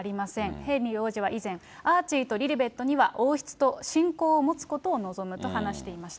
ヘンリー王子は以前、アーチーとリリベットには王室と親交を持つことを望むと話していました。